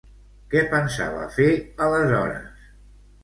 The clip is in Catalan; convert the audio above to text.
Què pensava fer, aleshores?